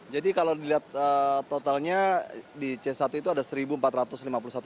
jadi kalau dilihat totalnya di c satu itu ada seribu empat ratus lima puluh satu tempat